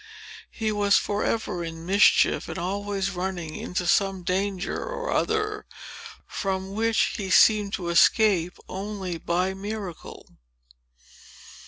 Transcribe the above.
He was forever in mischief, and always running into some danger or other from which he seemed to escape only by miracle.